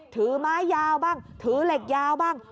ถือไม้ยาวบ้างถือเหล็กยาวบ้าง